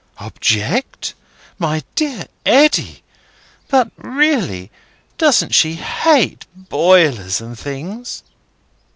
"Object? my dear Eddy! But really, doesn't she hate boilers and things?"